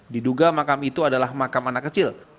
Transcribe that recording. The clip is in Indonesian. diduga makam itu adalah makam anak kecil